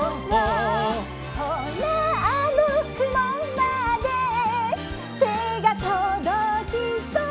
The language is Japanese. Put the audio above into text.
「ほらあのくもまでてがとどきそう」